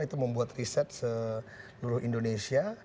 itu membuat riset seluruh indonesia